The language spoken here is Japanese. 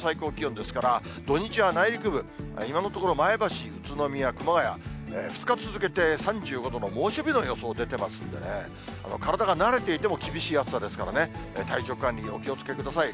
最高気温ですから、土日は内陸部、今のところ、前橋、宇都宮、熊谷、２日続けて３５度の猛暑日の予想出ていますんでね、体が慣れていても、厳しい暑さですからね、体調管理にお気をつけください。